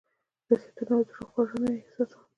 نصيحتونه او زړه خوړنه یې احساسوم.